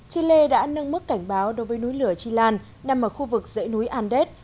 chile đã nâng mức cảnh báo đối với núi lửa chile nằm ở khu vực dãy núi andes